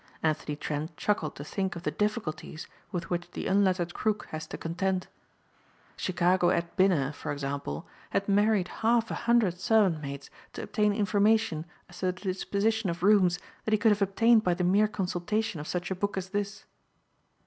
Anthony Trent chuckled to think of the difficulties with which the unlettered crook has to contend. "Chicago Ed. Binner," for example, had married half a hundred servant maids to obtain information as to the disposition of rooms that he could have obtained by the mere consultation of such a book as this.